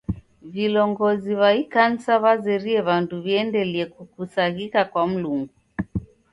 Vilongozi w'a ikanisa w'azerie w'andu wiendelie kukusaghika kwa Mlungu.